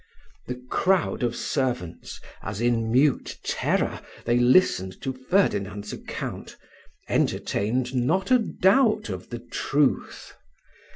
The crowd of servants, as in mute terror they listened to Ferdinand's account, entertained not a doubt of the truth.